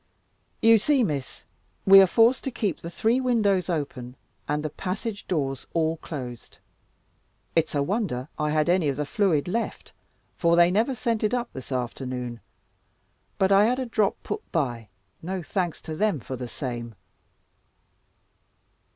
"You see, Miss, we are forced to keep the three windows open, and the passage doors all closed. It's a wonder I had any of the fluid left, for they never sent it up this afternoon; but I had a drop put by, no thanks to them for the same.